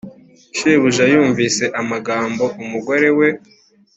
Shebuja yumvise amagambo umugore we